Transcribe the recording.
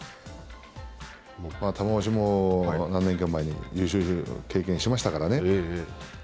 玉鷲も何年か前に優勝を経験しましたからね。